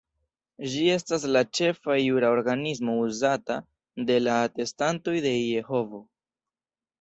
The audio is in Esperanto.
Ĝi estas la ĉefa jura organismo uzata de la Atestantoj de Jehovo.